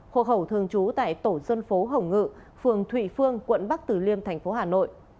hộ khẩu thường trú tại tổ dân phố hồng ngự phường thụy phương quận bắc tử liêm thành phố hà nội